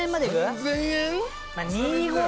３，０００円？